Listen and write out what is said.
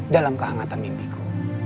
dalam kehangatan mimpiku